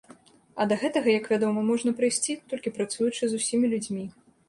А да гэтага, як вядома, можна прыйсці, толькі працуючы з усімі людзьмі.